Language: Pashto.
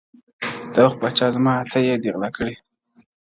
د وخت پاچا زما اته ي دي غلا كړي.